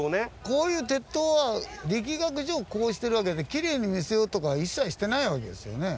こういう鉄塔は力学上こうしてるわけできれいに見せようとかは一切してないわけですよね。